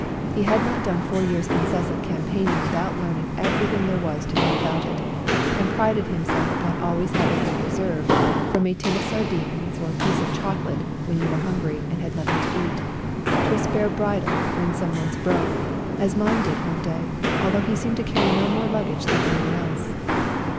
He had not done four years' incessant campaigning without learning everything there was to know about it, and prided himself upon always having a " reserve," from a tin of sardines or a piece of chocolate when you were hungry and had nothing to eat, to a spare bridle when someone's broke, as mine did one day, although he seemed to carry no more luggage than anyone else.